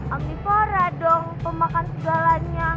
omnivora dong pemakan segalanya